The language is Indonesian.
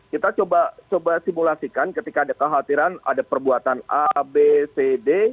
kita coba simulasikan ketika ada kehatiran ada perbuatan a b c d